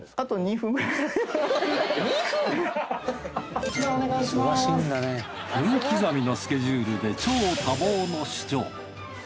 分刻みのスケジュールで超多忙の市長。